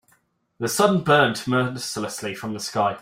The sun burned mercilessly from the sky.